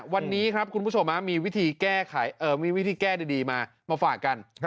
วันนี้ครับคุณผู้ชมมีวิธีแก้ดีมาฝากกัน